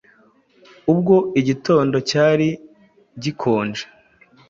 Nubwo igitondo cyari gikonje,